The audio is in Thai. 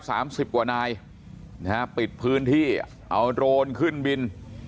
สิบกว่านายนะฮะปิดพื้นที่เอาโดรนขึ้นบิน